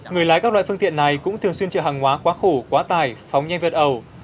người lái các loại phương tiện này cũng thường xuyên chịu hàng hóa quá khổ quá tài phóng nhanh vết ẩu